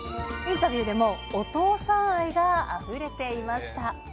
インタビューでもお父さん愛があふれていました。